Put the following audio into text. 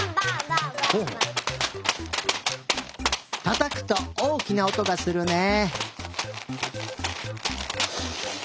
たたくとおおきなおとがするね。